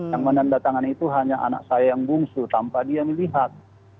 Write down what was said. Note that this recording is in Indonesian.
yang menandatangani itu hanya anak saya yang bungsu tanpa dia melihat